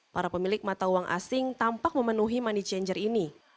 para pemilik mata uang asing tampak memenuhi money changer ini